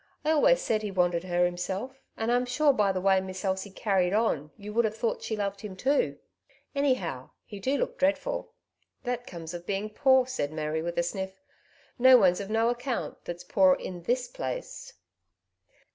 I always said he wanted her himself, and I'm sure by the way Miss Elsie carried on you would have thought she loved him too. Anyhow, he do look dreadful." '' That comes of being poor," said Mary with a sniff; ^^no one's of no account that's poor in this place."